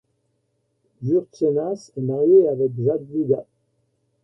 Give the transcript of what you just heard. Juršėnas est marié avec Jadvyga.